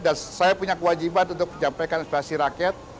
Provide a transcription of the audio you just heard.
dan saya punya kewajiban untuk mencapai aspirasi rakyat